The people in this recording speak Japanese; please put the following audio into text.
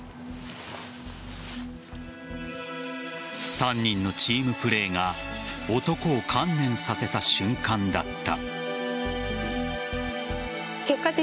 ３人のチームプレーが男を観念させた瞬間だった。